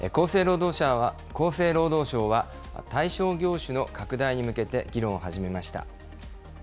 厚生労働省は、対象業種の拡大に向けて議論を始めました。